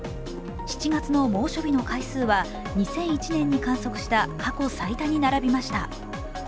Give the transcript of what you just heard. ７月の猛暑日の回数は２００１年に観測した過去最多に並びました。